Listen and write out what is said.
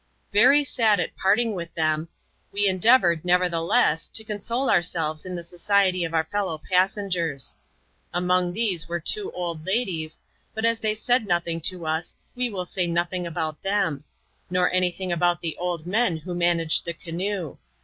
Very sad at parting with them, we endeavoured, neverthe less, to console ourselves in the society of our fellow passengers* Among these were two old ladies; but as they said nothing to us, we will say nothing about them ; nor any thing about the old men who managed the canoe.